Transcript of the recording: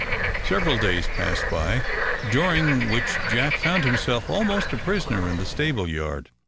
Several days passed by, during which Jack found himself almost a prisoner in the stable yard.